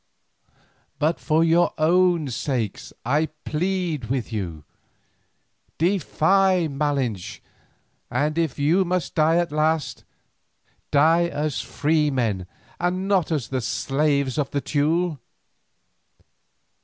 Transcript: But for your own sakes I plead with you. Defy Malinche, and if you must die at last, die as free men and not as the slaves of the Teule.